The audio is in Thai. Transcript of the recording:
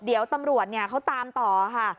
เดี๋ยวตำรวจเขาตามต่อค่ะ